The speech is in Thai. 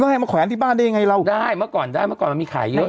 ให้มาแขวนที่บ้านได้ยังไงเราได้เมื่อก่อนได้เมื่อก่อนมันมีขายเยอะ